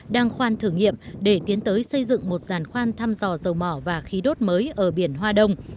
đang khoan thử nghiệm để tiến tới xây dựng một giàn khoan thăm dò dầu mỏ và khí đốt mới ở biển hoa đông